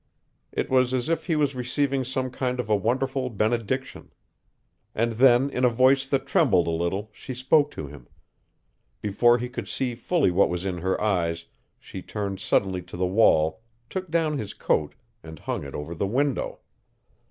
It was as if he was receiving some kind of a wonderful benediction. And then in a voice that trembled a little she spoke to him. Before he could see fully what was in her eyes she turned suddenly to the wall, took down his coat, and hung it over the window.